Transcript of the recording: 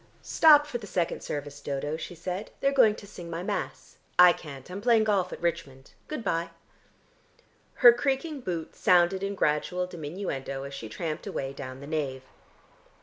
"Stop for the second service, Dodo," she said. "They're going to sing my mass. I can't. I'm playing golf at Richmond. Good bye." Her creaking boot sounded in gradual diminuendo as she tramped away down the nave.